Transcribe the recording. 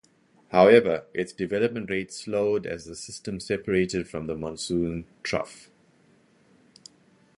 However, its development rate slowed as the system separated from the monsoon trough.